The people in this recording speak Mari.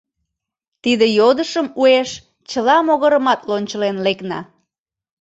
Тиде йодышым уэш чыла могырымат лончылен лекна